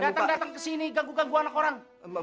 datang datang kesini ganggu ganggu anak orang